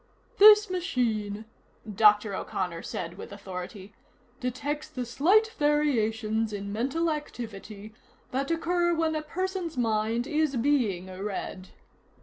"This machine," Dr. O'Connor said with authority, "detects the slight variations in mental activity that occur when a person's mind is being read."